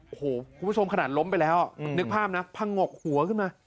โอ้โหคุณผู้ชมขนาดล้มไปแล้วนึกภาพนะพังงกหัวขึ้นมา